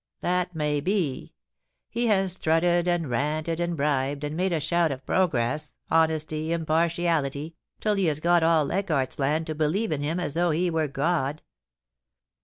* That may be. He has strutted, and ranted, and bribed, and made a shout of progress, honesty, impartiality, till he has got all Leichardt's Land to believe in him as though he were a god.